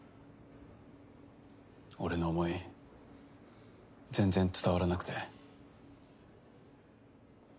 俺の思い全然伝わらなくて。